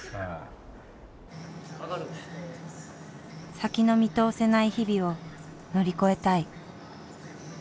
先の見通せない日々を乗り越えたい。